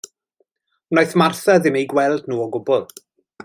Wnaeth Martha ddim eu gweld nhw o gwbl.